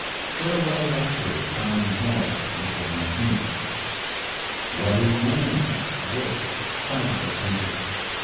Farewell lecture, Carnegie Hall, April 19. WHAT IS MAN? book (privately printed).